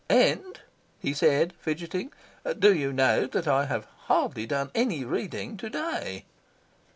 "And," he said, fidgeting, "do you know that I have hardly done any reading to day?"